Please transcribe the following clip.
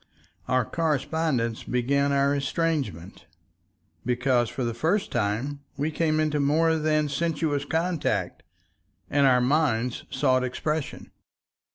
Our correspondence began our estrangement, because for the first time we came into more than sensuous contact and our minds sought expression.